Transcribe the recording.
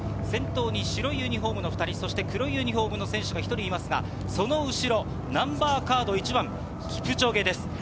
先頭に白いユニホームの選手が１人黒いユニホームの選手が２人いますがその後ろ、ナンバーカード１番キプチョゲです。